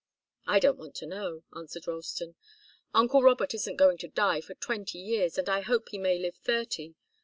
"I don't want to know," answered Ralston. "Uncle Robert isn't going to die for twenty years, and I hope he may live thirty.